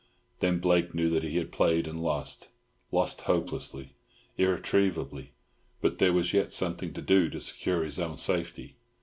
Then Blake knew that he had played and lost—lost hopelessly, irretrievably. But there was yet something to do to secure his own safety.